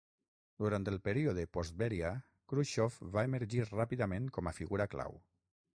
Durant el període post-Béria, Khrusxov va emergir ràpidament com a figura clau.